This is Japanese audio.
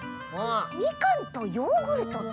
みかんとヨーグルトと。